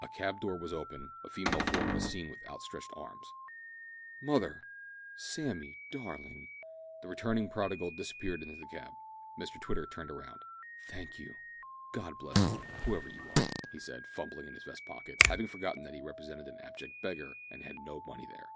A cab door was opened. A female form was seen with outstretched arms. "Mother!" "Sammy darling " The returning prodigal disappeared into the cab. Mr Twitter turned round. "Thank you. God bless you, whoever you are," he said, fumbling in his vest pocket; having forgotten that he represented an abject beggar, and had no money there.